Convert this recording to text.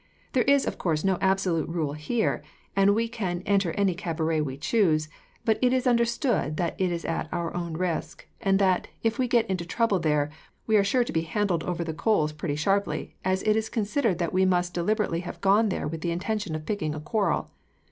There is, of course, no absolute rule here, and we can enter any cabaret we choose; but it is understood that it is at our own risk, and that, if we get into trouble there, we are sure to be handled over the coals pretty sharply, as it is considered that we must deliberately have gone there with the intention of picking a quarrel.